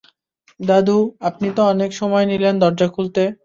দাদু, আপনি তো অনেক সময় নিলেন দরজা খুলতে।